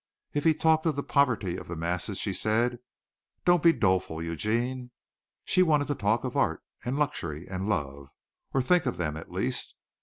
If he talked of the poverty of the masses she said, "Don't be doleful, Eugene." She wanted to talk of art and luxury and love, or think of them at least.